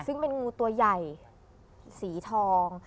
ซึ่งเป็นงูตัวใหญ่สีทอง